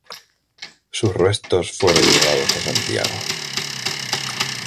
Sus restos fueron llevados a Santiago.